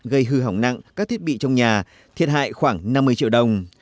gây hư hỏng nặng các thiết bị trong nhà thiệt hại khoảng năm mươi triệu đồng